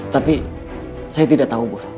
tapi saya tidak tahu bos